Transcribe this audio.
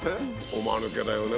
おマヌケだよね